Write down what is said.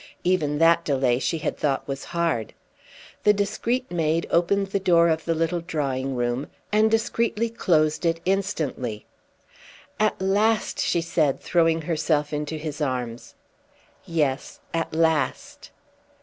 Even that delay she had thought was hard. The discreet maid opened the door of the little drawing room, and discreetly closed it instantly. "At last!" she said, throwing herself into his arms. "Yes, at last."